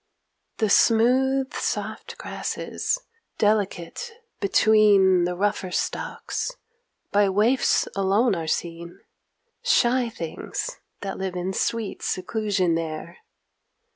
The smooth soft grasses, delicate between The rougher stalks, by waifs alone are seen, Shy things that live in sweet seclusion there.